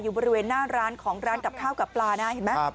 บริเวณหน้าร้านของร้านกับข้าวกับปลานะเห็นไหม